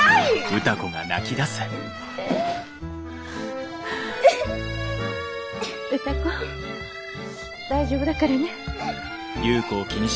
歌子大丈夫だからね。